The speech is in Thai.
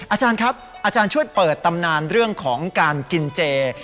อาจารย์ครับอาจารย์ช่วยเปิดตำนานเรื่องของการกินเจ